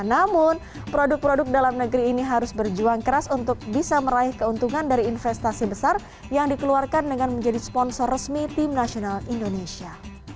namun produk produk dalam negeri ini harus berjuang keras untuk bisa meraih keuntungan dari investasi besar yang dikeluarkan dengan menjadi sponsor resmi tim nasional indonesia